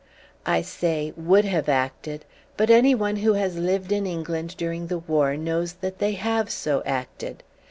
I say "would have acted," but anyone who has lived in England during the war knows that they have so acted.